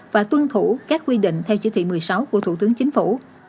và tuân thủ các quy định theo chỉ thị một mươi sáu của thủ tướng chính phủ